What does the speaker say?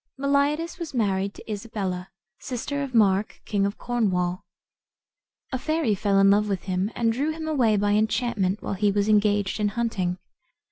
Meliadus was married to Isabella, sister of Mark, king of Cornwall. A fairy fell in love with him, and drew him away by enchantment while he was engaged in hunting.